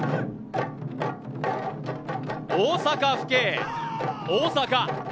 大阪府警・大阪。